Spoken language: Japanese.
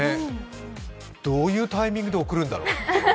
どういうタイミングで送るんだろう？